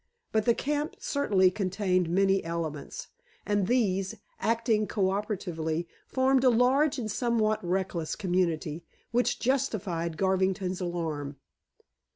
But the camp certainly contained many elements, and these, acting co operatively, formed a large and somewhat reckless community, which justified Garvington's alarm.